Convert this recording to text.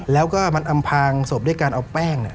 แล้วก็มันอำพางศพด้วยการเอาแป้ง